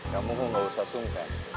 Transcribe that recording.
kamu kok gak usah sungkan